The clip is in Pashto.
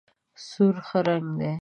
سور ښه رنګ دی.